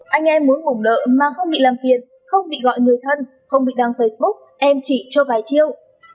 anh em muốn bùng nợ mà không bị làm phiền không bị gọi người thân không bị đăng facebook em chỉ cho vài chiêu